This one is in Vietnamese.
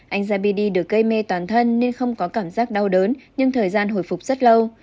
anh jabbi được gây mê toàn thân nên không có cảm giác đau đớn nhưng thời gian hồi phục rất lâu